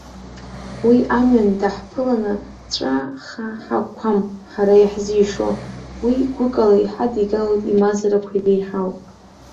Уи амҩан даҳԥылан ҵәахаҳақәам ҳара иаҳзишо, уи гәыкала иҳадигалоит имазарақәа иреиҳау.